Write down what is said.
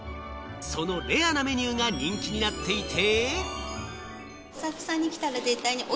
そのレアなメニューが人気になっていて。